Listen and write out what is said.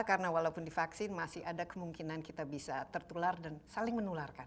karena walaupun divaksin masih ada kemungkinan kita bisa tertular dan saling menularkan